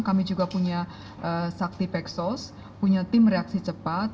kami juga punya sakti peksos punya tim reaksi cepat